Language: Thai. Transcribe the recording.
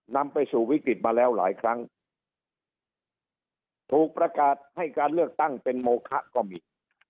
นำไปสู่วิกฤตมาแล้วหลายครั้งถูกประกาศให้การเลือกตั้งเป็นโมคะก็มี